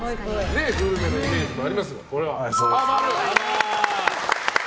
グルメのイメージもありますが。